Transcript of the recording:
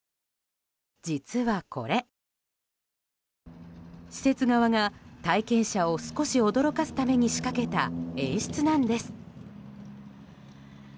実はこれ、施設側が体験者を少し驚かすために仕掛けた演出なんです。